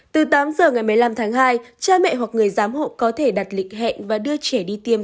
từ tám giờ ngày một mươi năm tháng hai cha mẹ hoặc người giám hộ có thể đặt lịch hẹn và đưa trẻ đi tiêm